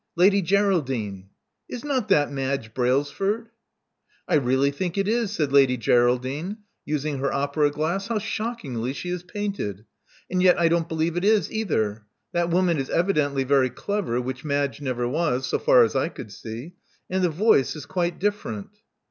Lady Geraldine : is not that Madge Brailsford?" I really think it is," said Lady Geraldine, using her opera glass. How shockingly she is painted! And yet I don't believe it is, either. That woman is evidently very clever, which Madge never was, so far as I could see. And the voice is quite different."